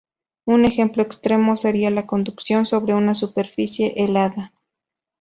Un ejemplo extremo sería la conducción sobre una superficie helada.